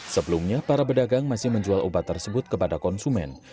sebelumnya para pedagang masih menjual obat tersebut kepada konsumen